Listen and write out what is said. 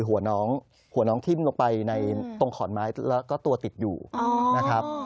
หัวน้องหัวน้องทิ้มลงไปในตรงขอนไม้แล้วก็ตัวติดอยู่นะครับ